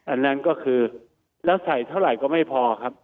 อันนั้นก็คือแล้วใส่เท่าไหร่ก็ไม่พอครับ